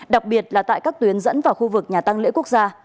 đặc biệt là tại các tuyến dẫn vào khu vực nhà tăng lễ quốc gia